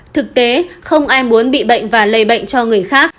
thực tế không ai muốn bị bệnh và lây bệnh cho người khác